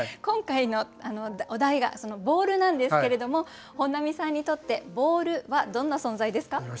今回のお題が「ボール」なんですけれども本並さんにとって「ボール」はどんな存在ですか？